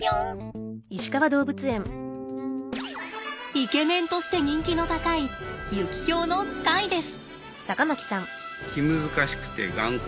イケメンとして人気の高いユキヒョウのスカイです。